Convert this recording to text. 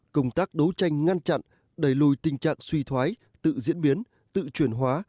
công tác đấu tranh ngăn chặn đẩy lùi tình trạng suy thoái tự diễn biến tự chuyển hóa